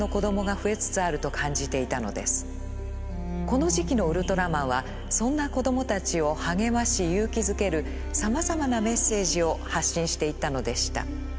この時期のウルトラマンはそんな子供たちを励まし勇気づけるさまざまなメッセージを発信していったのでした。